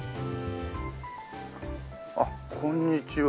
あっこんにちは。